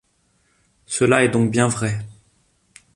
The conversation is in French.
Cela est donc bien vrai.